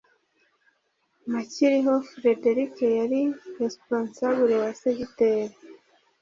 Mpankiriho Frederic yari Responsible wa segiteri